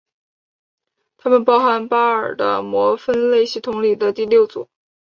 它们包含巴尔的摩分类系统里的第六组。